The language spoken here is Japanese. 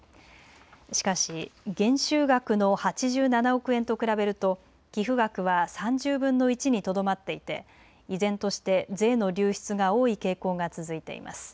しかし減収額の８７億円と比べると寄付額は３０分の１にとどまっていて依然として税の流出が多い傾向が続いています。